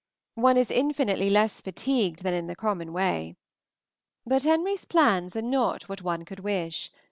One is infinitely less fatigued than in the common way. But Henry's plans are not what one could wish.